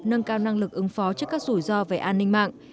nâng cao năng lực ứng phó trước các rủi ro về an ninh mạng